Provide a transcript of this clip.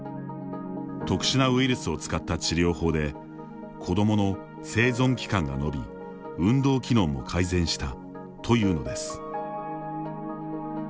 特殊なウイルスを使った治療法で子どもの生存期間が延び運動機能も改善したというのです。